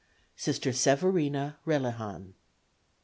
Sister Severina Relihan.